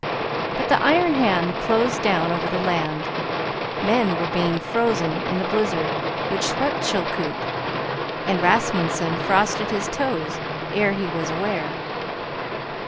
But the iron hand closed down over the land. Men were being frozen in the blizzard which swept Chilkoot, and Rasmunsen frosted his toes ere he was aware.